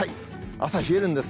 朝、冷えるんです。